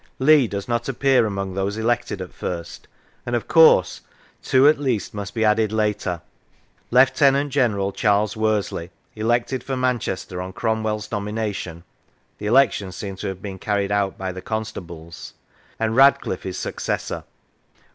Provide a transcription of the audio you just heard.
Leigh does not appear among those elected at first, and of course two at least must be added later: Lieutenant General Charles Worsley, elected for Manchester on Cromwell's nomination (the elections seem to have been carried out by the con stables), and Radcliffe, his successor.